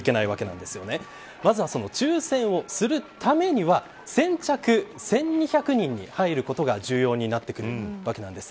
まずは抽選をするためには先着１２００人に入ることが重要になってくるわけなんです。